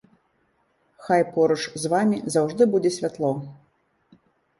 Хай поруч з вамі заўжды будзе святло!